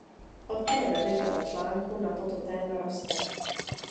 Od té doby řada článků na toto téma roste.